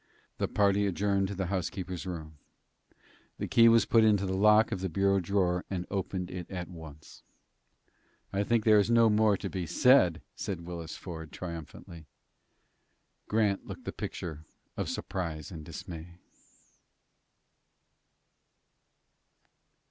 The party adjourned to the housekeeper's room. The key was put into the lock of the bureau drawer and opened it at once. "I think there is no more to be said," said Willis Ford, triumphantly. Grant looked the picture of surprise and dismay.